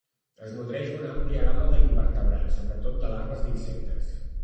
Es nodreix d'una àmplia gamma d'invertebrats, sobretot de larves d'insectes.